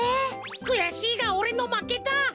くやしいがおれのまけだ。